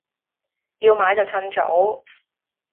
要買就襯早